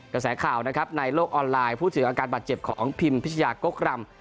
กระแสข่าวนะครับในโลกออนไลน์พูดถึงอาการบาดเจ็บของพิมพิชยากกรำ